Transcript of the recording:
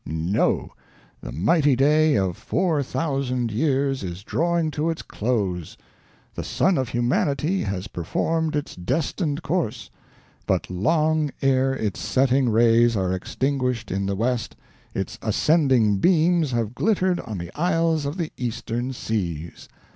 No; the mighty day of four thousand years is drawing to its close; the sun of humanity has performed its destined course; but long ere its setting rays are extinguished in the west, its ascending beams have glittered on the isles of the eastern seas